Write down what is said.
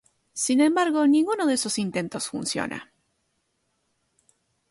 Sin embargo, ninguno de sus intentos funciona.